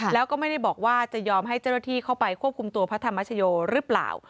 แล้วก็ไม่ได้บอกว่าจะยอมให้เจ้าหน้าที่เข้าไปควบคุมตัวพระธรรมชโยหรือเปล่า